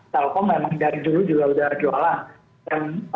telkom memang dari dulu juga udah jualan